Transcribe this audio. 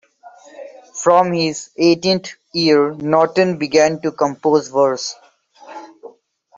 From his eighteenth year Norton began to compose verse.